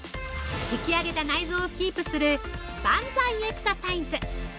引き上げた内臓をキープするバンザイエクササイズ。